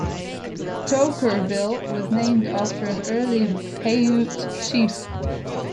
Toquerville was named after an early Paiute chief.